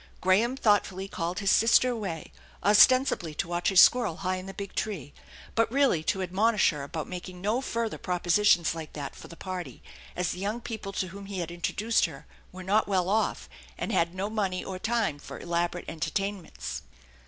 Graham thoughtfully 74 THE ENCHANTED BARN called his sister away, ostensibly to watch a squirrel high in the big tree, but really to admonish her about making no further propositions like that for the party, as the young people to whom he had introduced her were not well off, an<? had no money or time for elaborate entertainments.